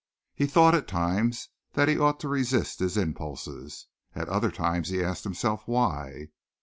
He thought at times that he ought to resist his impulses. At other times he asked himself why.